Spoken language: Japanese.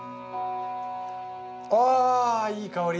あいい香り。